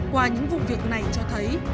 qua những vụ việc này cho thấy